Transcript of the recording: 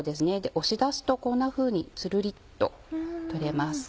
押し出すとこんなふうにツルリと取れます。